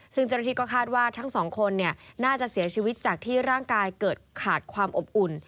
ซึ่งเจ้าหน้าที่ก็คาดว่าทั้งสองคนน่าจะเสียชีวิตจากที่ร่างกายเกิดขาดความอบอุ่น